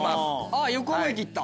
あっ横浜駅行った！